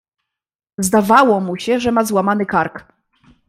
"Zdawało mu się, że ma złamany kark."